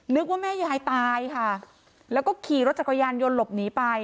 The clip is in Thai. ว่าแม่ยายตายค่ะแล้วก็ขี่รถจักรยานยนต์หลบหนีไป